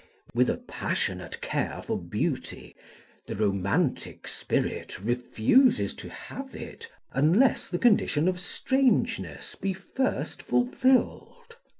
With a passionate care for beauty, the romantic spirit refuses to have it, unless the condition of strangeness be first fulfilled.